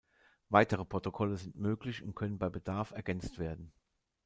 Weitere Protokolle sind möglich und können bei Bedarf ergänzt werden.